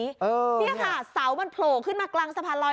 นี่ค่ะเสามันโผล่ขึ้นมากลางสะพานลอย